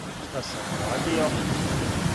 Шта сам урадио!